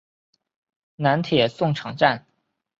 南铁送场站。